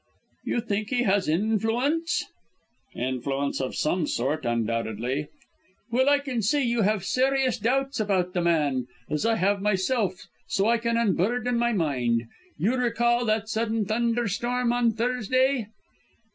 "You think he has influence " "Influence of some sort, undoubtedly." "Well, I can see you have serious doubts about the man, as I have myself, so I can unburden my mind. You recall that sudden thunderstorm on Thursday?"